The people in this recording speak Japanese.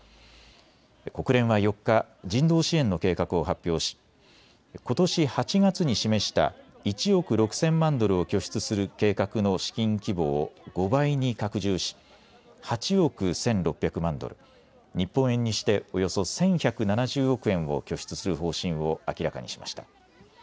国連は４日、人道支援の計画を発表しことし８月に示した１億６０００万ドルを拠出する計画の資金規模を５倍に拡充し８億１６００万ドル、日本円にしておよそ１１７０億円を拠出する方針を明らかにしました。